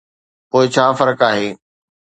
پوء ڇا فرق آهي؟